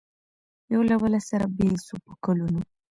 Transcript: یو له بله سره بېل سو په کلونو